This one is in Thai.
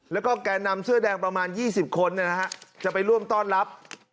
แล้วก็แก่นำเสื้อแดงประมาณ๒๐คนจะไปร่วมต้อนรับ